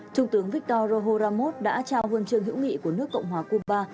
trung tướng victor rohoramoth đã trao quân trương hữu nghị của nước cộng hòa cuba